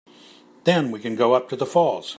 Then we can go up to the falls.